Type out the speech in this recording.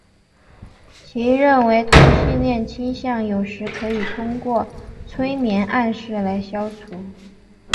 其认为同性恋倾向有时可以通过催眠暗示来消除。